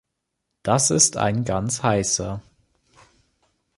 Das ist ein ganz heißer.